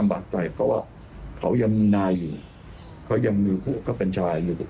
บางข้อมูลหลังต่างต้องพูดพูดประกอบ